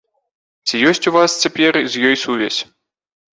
Ці ёсць у вас цяпер з ёй сувязь?